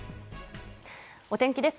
お天気です。